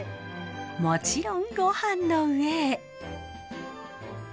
もちろんごはんの上へ。